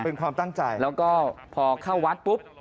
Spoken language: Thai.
เป็นความตั้งใจแล้วก็พอเข้าวัดปุ๊บ